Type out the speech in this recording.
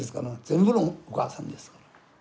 全部のお母さんですから。